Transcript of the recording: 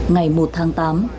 ngày một tháng tám